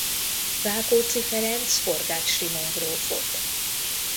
Rákóczi Ferenc Forgách Simon grófot.